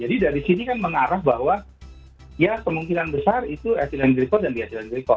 jadi dari sini kan mengarah bahwa ya kemungkinan besar itu ethylene glycol dan diethylene glycol